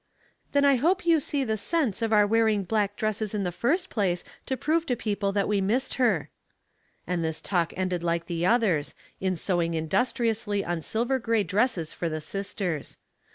"Then I hope you see the sense of our wear ing black dresses in the first place to prove to people that we missed her." And this talk ended like the others, in sewing industriously on silver gra}^ dresses for the sisters.